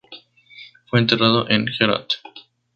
Fue enterrado en Herat.